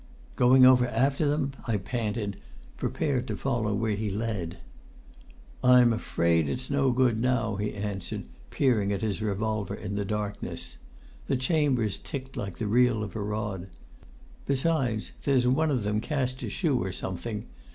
"Going over after them?" I panted, prepared to follow where he led. "I'm afraid it's no good now," he answered, peering at his revolver in the darkness. The chambers ticked like the reel of a rod. "Besides, there's one of them cast a shoe or something.